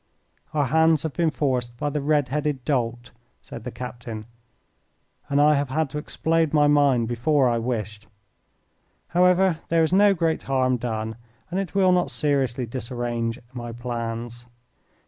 "Our hands have been forced by that red headed dolt," said the captain, "and I have had to explode my mine before I wished. However, there is no great harm done, and it will not seriously disarrange my plans.